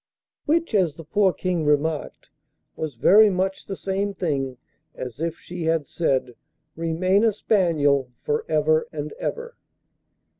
Which, as the poor King remarked, was very much the same thing as if she had said, 'Remain a spaniel for ever and ever.